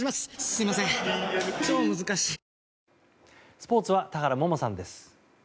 スポーツは田原萌々さんです。